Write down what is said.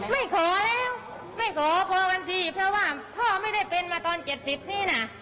ไม่ขอแล้วไม่ขอพอวันที่เพราะว่าพ่อไม่ได้เป็นมาตอน๗๐นี้นะ